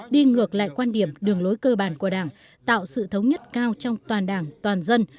đi ngược lại quan điểm đường lối cơ bản của đảng tạo sự thống nhất cao trong toàn đảng toàn dân